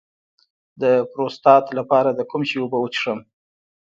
د پروستات لپاره د کوم شي اوبه وڅښم؟